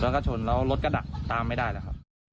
แล้วก็ชนแล้วรถก็ดักตามไม่ได้แล้วครับ